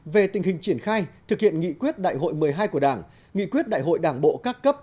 về tình hình triển khai thực hiện nghị quyết đại hội một mươi hai của đảng nghị quyết đại hội đảng bộ các cấp